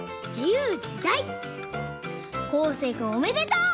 こうせいくんおめでとう！